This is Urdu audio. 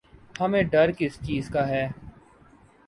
ہمیں ڈر کس چیز کا ہے؟